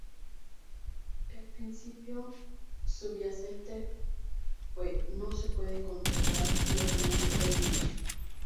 El principio subyacente fue "No se puede controlar lo que no se puede medir".